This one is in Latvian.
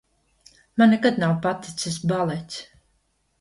Man nekad nav paticis balets!